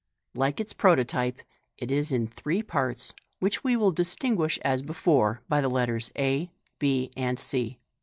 Like its prototype, it is in three parts, which we will distinguish as before by the letters a, b, and c.